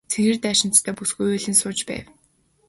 Цэнхэр даашинзтай бүсгүй уйлан сууж байв.